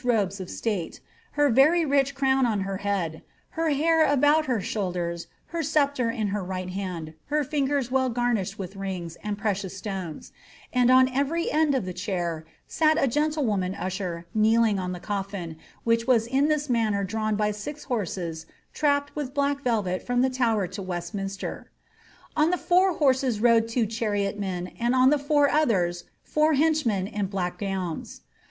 robes of state, her very rich crown on her head, her hair about hrr shoulders, her sceptre in her right hand, her fingers well garnished with rings and precious stones, and on every end of the chair sat a gentle woman usher kneeling on tlie coffin, which was in this manner dimvn by six horses trapped with black velvet from the Tower to Westminster. On the fore horses rode two chariotmen, and on the four others, four henchmen in black gowns.